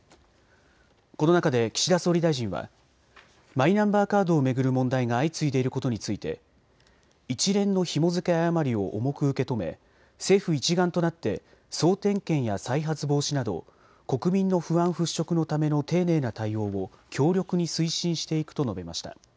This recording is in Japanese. この中で岸田総理大臣はマイナンバーカードを巡る問題が相次いでいることについて一連のひも付け誤りを重く受け止め政府一丸となって総点検や再発防止など国民の不安払拭のための丁寧な対応を強力に推進していくと述べました。